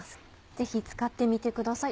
ぜひ使ってみてください。